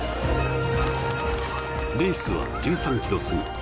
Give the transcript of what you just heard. レースは１３ｋｍ過ぎ。